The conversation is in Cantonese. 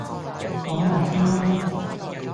講埋先啦！